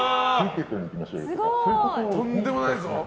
とんでもないぞ。